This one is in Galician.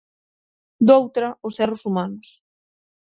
Doutra, os erros humanos.